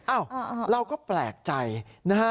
อ้าวเราก็แปลกใจนะฮะ